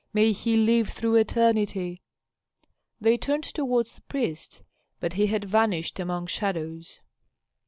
May he live through eternity!" They turned toward the priest, but he had vanished among shadows.